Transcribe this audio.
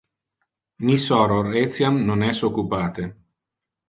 Mi soror etiam non es occupate.